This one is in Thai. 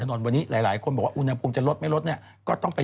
ต้นหอมใส่ชุดทางเหนือใส่ชุดรักนครา